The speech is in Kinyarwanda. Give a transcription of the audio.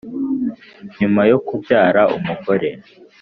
. Nyuma yo kubyara umugore